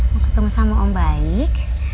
mau ketemu sama om baik